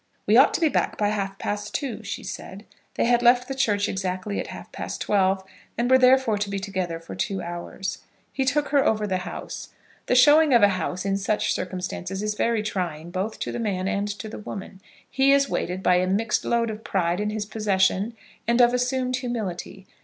"We ought to be back by half past two," she said. They had left the church exactly at half past twelve, and were therefore to be together for two hours. He took her over the house. The showing of a house in such circumstances is very trying, both to the man and to the woman. He is weighted by a mixed load of pride in his possession and of assumed humility.